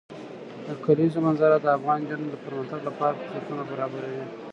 د کلیزو منظره د افغان نجونو د پرمختګ لپاره فرصتونه برابروي.